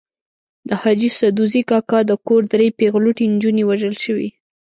د حاجي سدوزي کاکا د کور درې پېغلوټې نجونې وژل شوې.